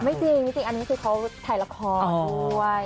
ไม่จริงอันนี้คือเขาถ่ายละครด้วย